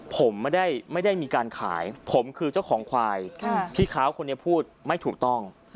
ผมไม่ได้มีการขายผมคือเจ้าของควายพี่ค้าคนนี้พูดไม่ถูกต้อง